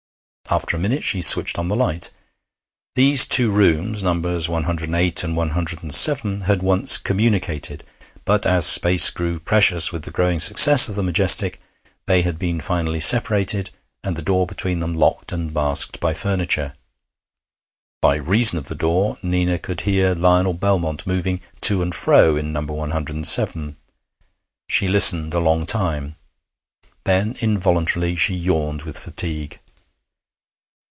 After a minute she switched on the light. These two rooms, Nos. 108 and 107, had once communicated, but, as space grew precious with the growing success of the Majestic, they had been finally separated, and the door between them locked and masked by furniture. By reason of the door, Nina could hear Lionel Belmont moving to and fro in No. 107. She listened a long time. Then, involuntarily, she yawned with fatigue.